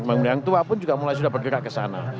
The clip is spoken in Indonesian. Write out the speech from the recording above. bangunan tua pun juga mulai sudah bergerak ke sana